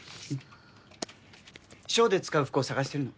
ショーで使う服を探してるの。